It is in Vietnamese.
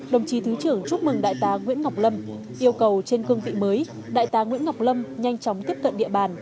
đồng chí thứ trưởng chúc mừng đại tá nguyễn ngọc lâm yêu cầu trên cương vị mới đại tá nguyễn ngọc lâm nhanh chóng tiếp cận địa bàn